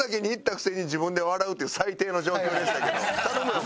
頼むよ